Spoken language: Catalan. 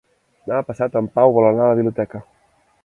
Demà passat en Pau vol anar a la biblioteca.